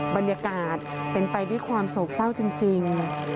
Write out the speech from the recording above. บรรยากาศเป็นไปด้วยความโศกเศร้าจริง